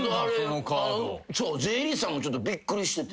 税理士さんもちょっとびっくりしてて。